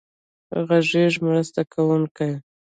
غږیز مرسته کوونکی.